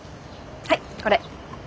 はいこれ。